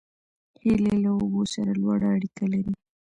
هیلۍ له اوبو سره لوړه اړیکه لري